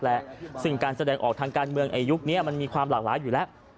และซึ่งการแสดงออกทางการเมืองในยุคนี้มันมีความหลากหลายอยู่แล้ว